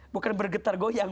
bukan bergetar goyang